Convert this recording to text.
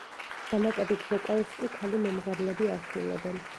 დამატებით ვოკალს კი ქალი მომღერლები ასრულებენ.